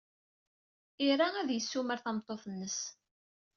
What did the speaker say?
Ira ad yessumar tameṭṭut-nnes.